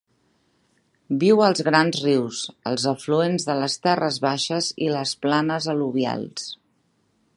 Viu als grans rius, els afluents de les terres baixes i les planes al·luvials.